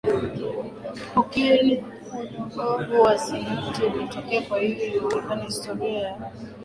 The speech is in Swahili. kokeni unyogovu wa sinapti ulitokea Kwa hiyo inaonekana historia ya